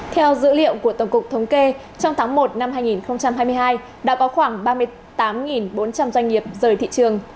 theo dữ liệu của tổng cục thống kê trong tháng một năm hai nghìn hai mươi hai đã có khoảng ba mươi tám bốn trăm linh doanh nghiệp rời thị trường